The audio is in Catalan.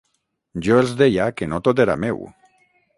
Jo els deia que no tot era meu.